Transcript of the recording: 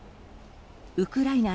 ウクライナ